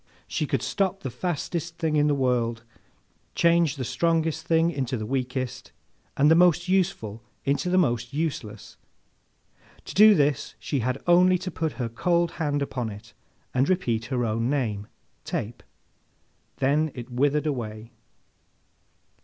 She could stop the fastest thing in the world, change the strongest thing into the weakest, and the most useful into the most useless. To do this she had only to put her cold hand upon it, and repeat her own name, Tape. Then it withered away.